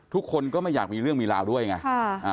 ทุกคนก็ไม่อยากมีเรื่องมีราวด้วยไง